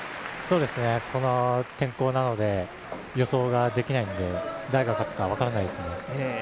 この天候なので予想ができないので誰が勝つか、分からないですね。